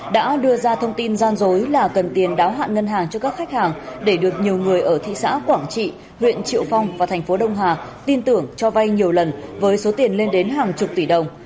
đã đưa ra thông tin gian dối là cần tiền đáo hạn ngân hàng cho các khách hàng để được nhiều người ở thị xã quảng trị huyện triệu phong và thành phố đông hà tin tưởng cho vay nhiều lần với số tiền lên đến hàng chục tỷ đồng